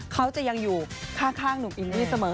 เขาจะยังอยู่ข้างหนุ่มอินดี้เสมอ